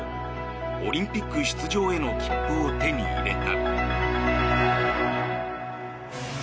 オリンピック出場への切符を手に入れた。